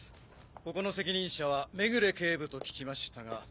ここの責任者は目暮警部と聞きましたが。